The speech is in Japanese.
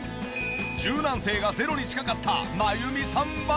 柔軟性がゼロに近かった真弓さんは。